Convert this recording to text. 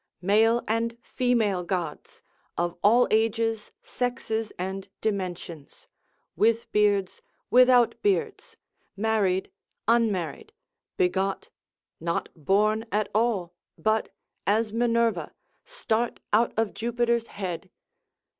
male and female gods, of all ages, sexes and dimensions, with beards, without beards, married, unmarried, begot, not born at all, but, as Minerva, start out of Jupiter's head.